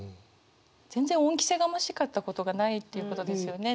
全然恩着せがましかったことがないっていうことですよね。